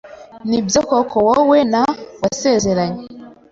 Nibyo koko wowe na wasezeranye?